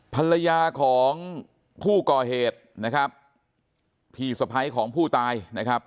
ภรรยาของผู้ก่อเหตุนะครับพี่สะพ้ายของผู้ตายนะครับ